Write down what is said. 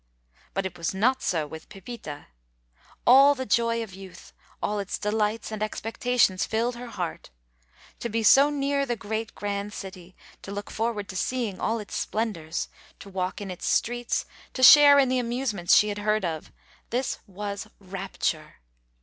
But it was not so with Pepita. All the joy of youth, all its delights and expectations filled her heart. To be so near the great, grand city, to look forward to seeing all its splendors, to walk in its streets, to share in the amusements she had heard of this was rapture.